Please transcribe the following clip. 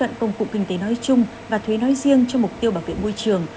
các công cụ kinh tế nói chung và thuế nói riêng cho mục tiêu bảo vệ môi trường